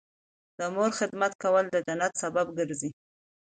د مور خدمت کول د جنت سبب ګرځي